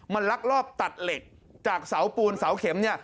มันลักลอบตัดเหล็กจากเสาปูนเสาเข็มเนี่ย